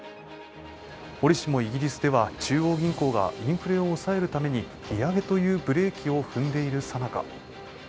折しもイギリスでは中央銀行がインフレを抑えるために利上げというブレーキを踏んでいるさなか。